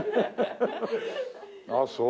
あっそう。